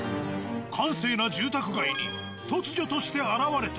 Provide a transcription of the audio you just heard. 閑静な住宅街に突如として現れた。